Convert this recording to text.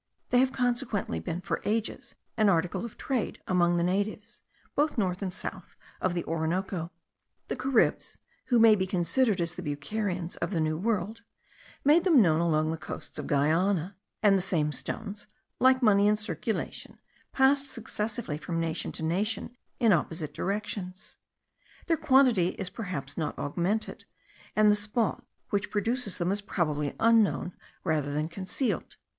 They have consequently been for ages an article of trade among the natives, both north and south of the Orinoco. The Caribs, who may be considered as the Bucharians of the New World, made them known along the coasts of Guiana; and the same stones, like money in circulation, passed successively from nation to nation in opposite directions: their quantity is perhaps not augmented, and the spot which produces them is probably unknown rather than concealed.